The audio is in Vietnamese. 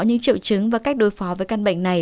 những triệu chứng và cách đối phó với căn bệnh này